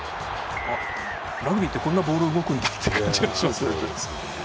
ラグビーってこんなにボールが動くんだって感じがしますが。